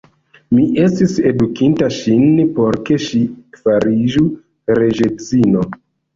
Mi estis edukinta ŝin, por ke ŝi fariĝu reĝedzino.